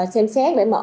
xem xét để mở